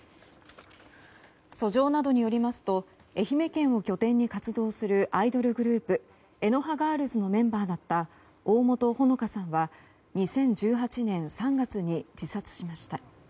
訴状などによりますと愛媛県を拠点に活動するアイドルグループ愛の葉Ｇｉｒｌｓのメンバーだった大本萌景さんは２０１８年３月に自殺しました。